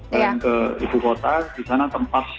ke ibu kota di sana tempat